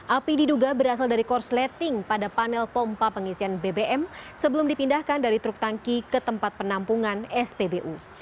api diduga berasal dari korsleting pada panel pompa pengisian bbm sebelum dipindahkan dari truk tangki ke tempat penampungan spbu